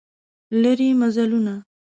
لیري مزلونه